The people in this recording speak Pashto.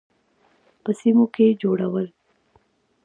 په سیمو کې جوړول.